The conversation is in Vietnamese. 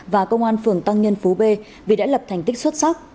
và công an phường tăng nhân phú b vì đã lập thành tích xuất sắc